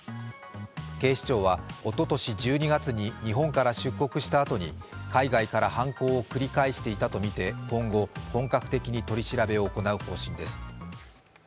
警視庁はおととし１２月に日本から出国したあとに海外から犯行を繰り返していたとみて今後、本格的に取り調べを行う方針です。